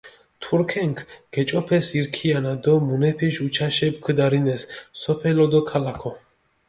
თურქენქ გეჭოფეს ირ ქიანა დო მუნეფიში უჩაშეფი ქჷდარინეს სოფელო დო ქალაქო.